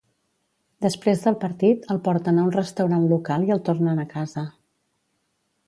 Després del partit, el porten a un restaurant local i el tornen a casa.